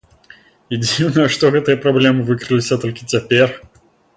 І дзіўна, што гэтыя праблемы выкрыліся толькі цяпер.